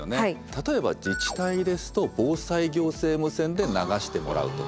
例えば自治体ですと防災行政無線で流してもらうとか。